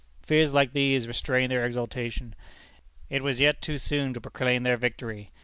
Fears like these restrained their exultation. It was yet too soon to proclaim their victory.